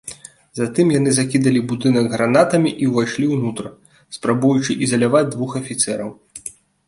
Затым яны закідалі будынак гранатамі і ўвайшлі ўнутр, спрабуючы ізаляваць двух афіцэраў.